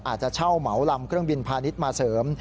อาจจะเช่าเหมาลำเครื่องบินพาณิชย์มาเสริม